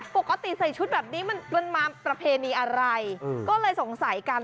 ปกติใส่ชุดแบบนี้มันมาประเพณีอะไรก็เลยสงสัยกัน